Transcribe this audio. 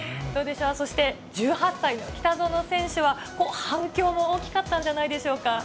そして１８歳の北園選手は、反響も大きかったんじゃないでしょうか。